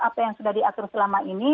apa yang sudah diatur selama ini